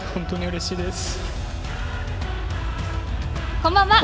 こんばんは。